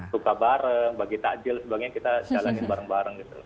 suka bareng bagi takjil sebagainya kita jalanin bareng bareng gitu